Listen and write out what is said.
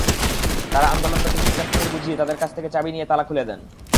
তাঁরা আন্দোলনরত ছাত্রীদের বুঝিয়ে তাঁদের কাছ থেকে চাবি নিয়ে তালা খুলে দেন।